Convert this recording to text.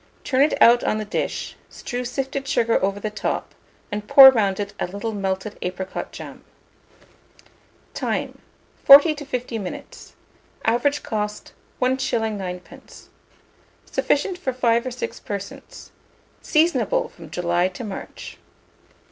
Turn it out on the dish, strew sifted sugar over the top, and pour round it a little melted apricot jam. Time. 40 to 50 minutes. Average cost, 1s. 9d. Sufficient for 5 or 6 persons. Seasonable from July to March.